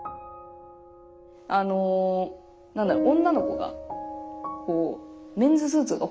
あの何だろう